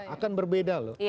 akan berbeda loh